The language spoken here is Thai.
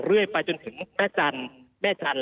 เรื่อยไปจนถึงแม่จันทร์แม่จันท